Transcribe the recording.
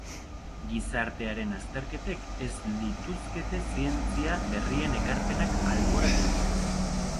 Gizartearen azterketek ez lituzkete zientzia berrien ekarpenak alboratu behar.